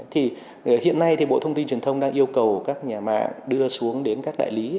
thì hiện nay thì bộ thông tin truyền thông đang yêu cầu các nhà mạng đưa xuống đến các đại lý